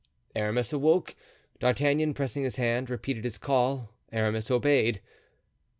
Aramis awoke. D'Artagnan, pressing his hand, repeated his call. Aramis obeyed.